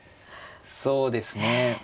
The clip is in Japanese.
そうですね。